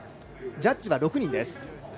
ジャッジは６人です。